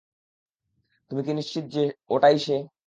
তুমি কি নিশ্চিত যে ওইটাই সে?